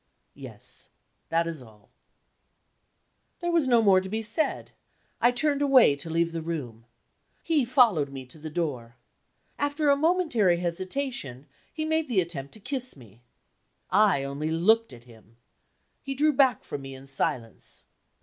"Yes that is all." There was no more to be said; I turned away to leave the room. He followed me to the door. After a momentary hesitation, he made the attempt to kiss me. I only looked at him he drew back from me in silence.